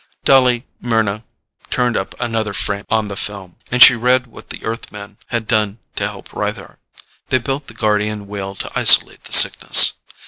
Dully Mryna turned up another frame on the film, and she read what the Earthmen had done to help Rythar. They built the Guardian Wheel to isolate the Sickness.